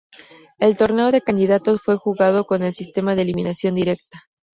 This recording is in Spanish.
El Torneo de Candidatos fue jugado con el sistema de eliminación directa.